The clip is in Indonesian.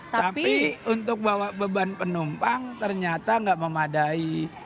tapi untuk bawa beban penumpang ternyata nggak memadai